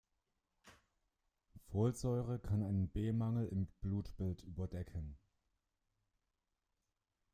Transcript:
Folsäure kann einen B-Mangel im Blutbild überdecken.